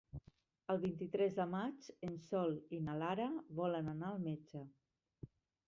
El vint-i-tres de maig en Sol i na Lara volen anar al metge.